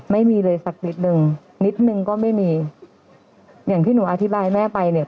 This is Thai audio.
ไม่มีเลยสักนิดนึงนิดนึงก็ไม่มีอย่างที่หนูอธิบายแม่ไปเนี่ย